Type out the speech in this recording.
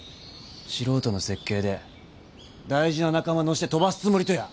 素人の設計で大事な仲間乗して飛ばすつもりとや？